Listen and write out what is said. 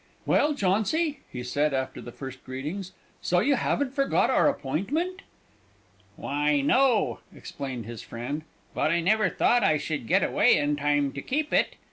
"Well, Jauncy," he said, after the first greetings, "so you haven't forgot our appointment?" "Why, no," explained his friend; "but I never thought I should get away in time to keep it.